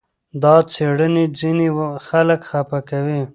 دا څېړنې ځینې خلک خپه کوي.